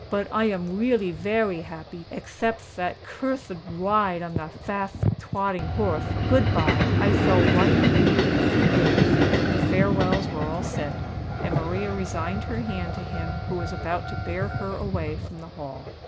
"But I am weally veway happy—ekthepth that curthed wide on the fatht twotting horth. Good bye: I thall wite to you in a few dayth." The farewells were all said; and Maria resigned her hand to him who was about to bear her away from the Hall.